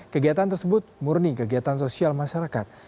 kegiatan tersebut murni kegiatan sosial masyarakat